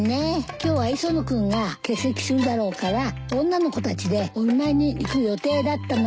今日は磯野君が欠席するだろうから女の子たちでお見舞いに行く予定だったのよ。